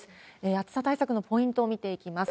暑さ対策のポイントを見ていきます。